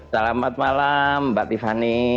selamat malam mbak tiffany